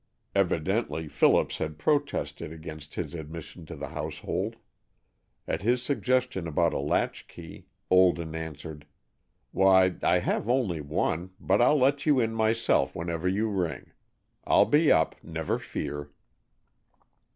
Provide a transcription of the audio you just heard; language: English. Evidently Phillips had protested against his admission to the household. At his suggestion about a latch key. Olden answered, "Why, I have only one, but I'll let you in myself whenever you ring. I'll be up, never fear."